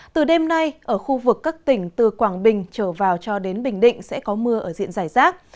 từ đêm nay ở khu vực các tỉnh từ quảng bình trở vào cho đến bình định sẽ có mưa ở diện giải rác